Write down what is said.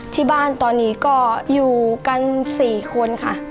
ที่บ้านตอนนี้ก็อยู่กัน๔คนค่ะ